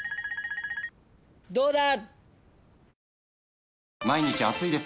どうだ？